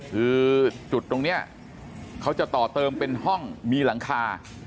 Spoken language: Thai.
คือจุดตรงนี้เขาจะต่อเติมเป็นห้องมีหลังคา